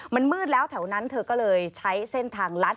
มันมืดแล้วแถวนั้นเธอก็เลยใช้เส้นทางลัด